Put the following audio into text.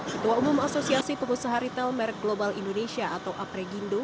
ketua umum asosiasi pengusaha retail merk global indonesia atau apregindo